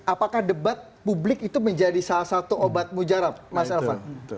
apakah debat publik itu menjadi salah satu obat mujarab mas elvan